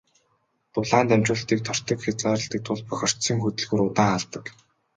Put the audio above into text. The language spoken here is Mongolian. Дулаан дамжуулалтыг тортог хязгаарладаг тул бохирдсон хөдөлгүүр удаан халдаг.